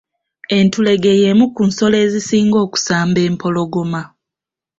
Entulege y’emu ku nsolo ezisinga okusamba empologoma.